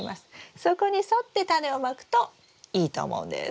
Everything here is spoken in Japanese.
そこに沿ってタネをまくといいと思うんです。